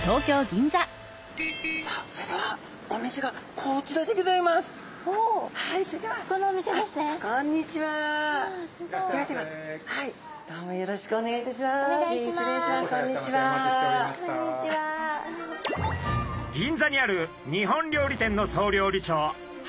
銀座にある日本料理店の総料理長橋口さん。